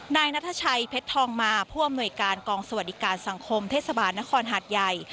นายนัทชัยเพชรทองมาผู้อำนวยการกองสวัสดิการสังคมเทศบาลนครหาดใหญ่